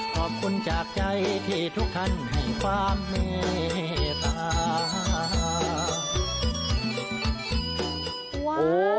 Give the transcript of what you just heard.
ขอบคุณจากใจที่ทุกท่านให้ความเมตตา